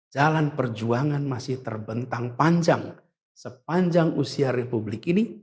jalan perjuangan masih terbentang panjang sepanjang usia republik ini